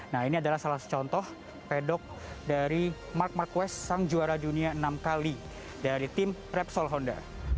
nah ini adalah salah satu contoh pedok dari mark marquest sang juara dunia enam kali dari tim repsol honda